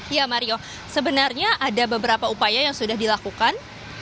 ya mario sebenarnya ada beberapa upaya yang sudah dilakukan